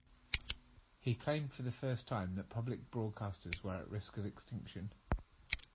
He claimed for the first time that public broadcasters were at risk of extinction.